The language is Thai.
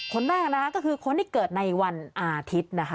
คนแรกนะคะก็คือคนที่เกิดในวันอาทิตย์นะคะ